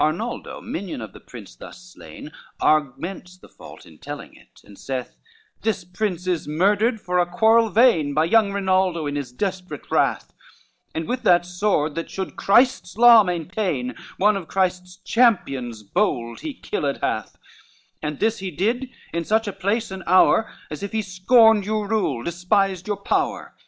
XXXIII Arnoldo, minion of the Prince thus slain, Augments the fault in telling it, and saith, This Prince murdered, for a quarrel vain, By young Rinaldo in his desperate wrath, And with that sword that should Christ's law maintain, One of Christ's champions bold he killed hath, And this he did in such a place and hour, As if he scorned your rule, despised your power.